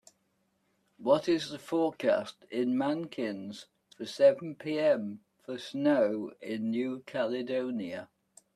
what is the forecast in Mankins for seven p.m for snow in New Caledonia